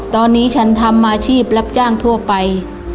ตอนนี้ฉันทำอาชีพรับจ้างทั่วไป